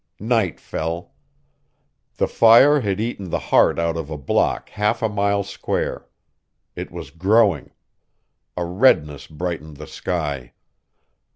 Night fell. The fire had eaten the heart out of a block half a mile square. It was growing. A redness brightened the sky.